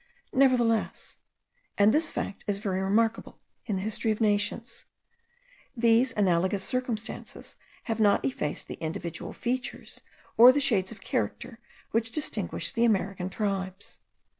Nevertheless (and this fact is very remarkable in the history of nations), these analogous circumstances have not effaced the individual features, or the shades of character which distinguish the American tribes.